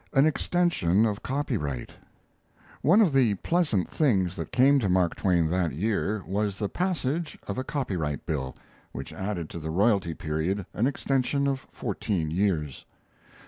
AN EXTENSION OF COPYRIGHT One of the pleasant things that came to Mark Twain that year was the passage of a copyright bill, which added to the royalty period an extension of fourteen years.